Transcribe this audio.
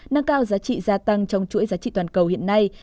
nâng cao giá trị gia tăng trong chuỗi giá trị toàn cầu hiện nay